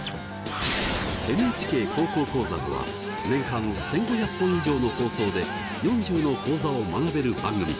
「ＮＨＫ高校講座」とは年間１，５００本以上の放送で４０の講座を学べる番組。